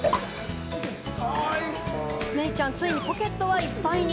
メイちゃん、ついにポケットがいっぱいに。